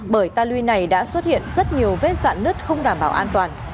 bởi ta luy này đã xuất hiện rất nhiều vết dặn nứt không đảm bảo an toàn